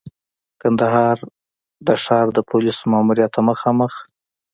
کندهار د ښار د پولیسو ماموریت ته مخامخ.